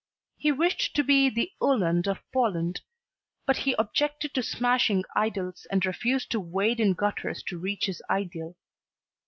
He wished to be the Uhland of Poland, but he objected to smashing idols and refused to wade in gutters to reach his ideal.